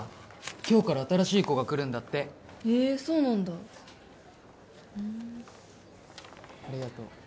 今日から新しい子が来るんだってへえそうなんだふんありがとう・